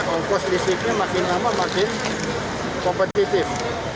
ongkos listriknya makin lama makin kompetitif